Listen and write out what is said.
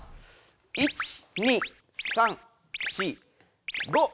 １２３４５。